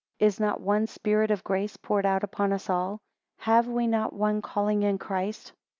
Is not one spirit of grace poured out upon us all? Have we not one calling in Christ.